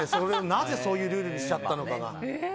なぜそういうルールにしちゃったのか。